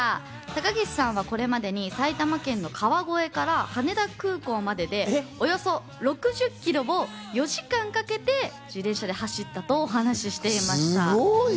高岸さんはこれまでに埼玉県の川越から羽田空港まででおよそ６０キロを４時間かけて自転車で走ったとお話していました。